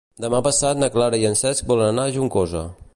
Demà passat na Clara i en Cesc volen anar a Juncosa.